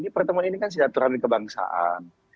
pertemuan ini kan sudah terlalu kebangsaan